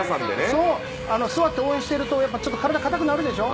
座って応援しているとちょっと体が硬くなるでしょ。